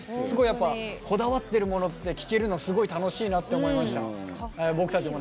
すごいこだわってるものって聞けるのすごい楽しいなって思いました。